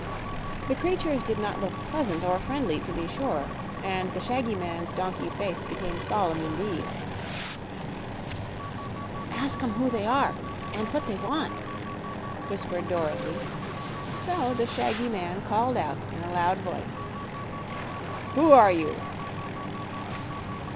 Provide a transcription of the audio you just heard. The creatures did not look pleasant or friendly, to be sure, and the shaggy man's donkey face became solemn, indeed. "Ask 'em who they are, and what they want," whispered Dorothy; so the shaggy man called out in a loud voice: "Who are you?"